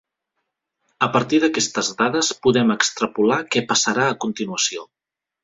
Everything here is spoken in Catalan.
A partir d'aquestes dades podem extrapolar què passarà a continuació.